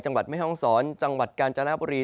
จังหวัดแม่ฮ่องศรจังหวัดกาญจานาปุรี